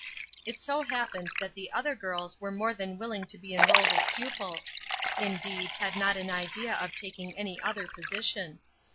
It so happened that the other girls were more than willing to be enrolled as pupils; indeed, had not an idea of taking any other position.